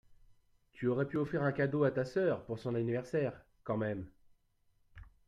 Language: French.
Tu pourrais offrir un cadeau à ta soeur pour son anniversaire quand même.